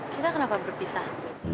kita kenapa berpisah